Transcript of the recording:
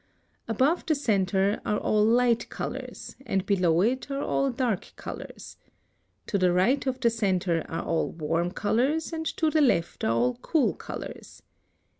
Above the centre are all light colors, and below it are all dark colors. To the right of the centre are all warm colors, and to the left are all cool colors.